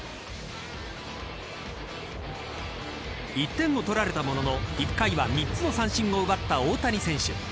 １点を取られたものの、１回は３つの三振を奪った大谷選手。